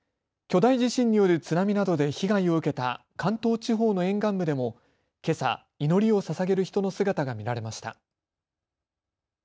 巨大地震による津波などで被害を受けた関東地方の沿岸部でもけさ、祈りをささげる人の姿が見られました。